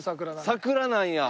桜なんや。